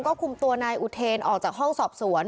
ก็คุมตัวนายอุเทนออกจากห้องสอบสวน